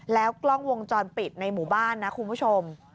แล้วกล้องวงจรปิดในหมู่บ้านนะคุณผู้ชม